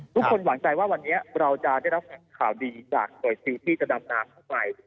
หวังใจว่าวันนี้เราจะได้รับข่าวดีจากหน่วยซิลที่จะดำน้ำข้างใน